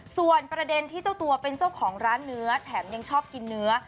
ส่วนประเด็นที่เจ้าตัวเป็นเจ้าของร้านเนื้อแถมยังชอบกินเนื้อ